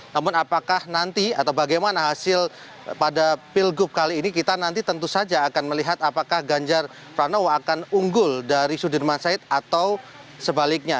namun apakah nanti atau bagaimana hasil pada pilgub kali ini kita nanti tentu saja akan melihat apakah ganjar pranowo akan unggul dari sudirman said atau sebaliknya